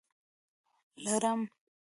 لړم